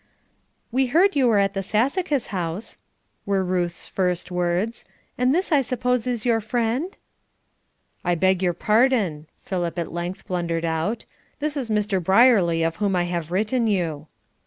"We heard you were at the Sassacus House," were Ruth's first words; "and this I suppose is your friend?" "I beg your pardon," Philip at length blundered out, "this is Mr. Brierly of whom I have written you."